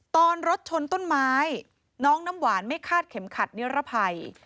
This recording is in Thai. ตอนรถชนต้นไม้น้องน้ำหวานไม่คาดเข็มขัดนิรภัย